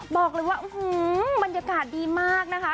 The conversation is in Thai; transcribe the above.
บอกเลยว่าบรรยากาศดีมากนะคะ